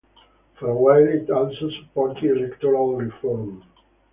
For a while it also supported electoral reform.